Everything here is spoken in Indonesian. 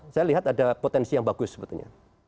saya lihat ada potensi yang bagus sebetulnya